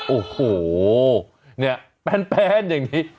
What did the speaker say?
โอ้โหเนี่ยแป้นอย่างนี้